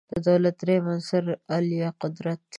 د دولت دریم عنصر عالیه قدرت